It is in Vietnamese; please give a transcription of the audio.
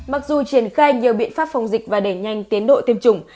mặc dù triển khai nhiều biện pháp phòng dịch và để nhanh tiến đội tiêm chủng